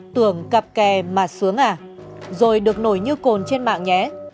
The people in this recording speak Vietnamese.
tưởng cặp kè mà sướng à rồi được nổi như cồn trên mạng nhé